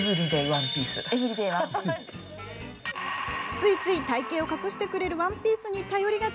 ついつい体形を隠してくれるワンピースに頼りがち。